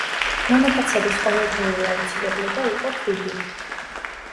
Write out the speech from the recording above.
მამაკაცების ყოველდღიური აუცილებლობა იყო ქუდი.